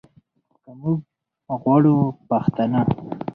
که موږ غواړو پښتانه